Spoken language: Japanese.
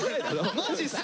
マジっすか？